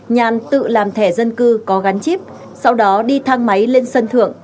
nhàn tự làm thẻ dân cư có gắn chip sau đó đi thang máy lên sân thượng